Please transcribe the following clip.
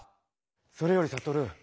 それよりサトル。